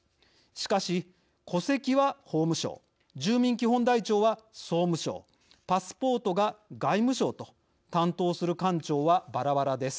しかし戸籍は法務省住民基本台帳は総務省パスポートが外務省と担当する官庁はばらばらです。